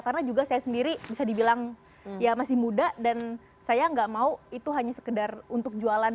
karena juga saya sendiri bisa dibilang masih muda dan saya enggak mau itu hanya sekedar untuk jualan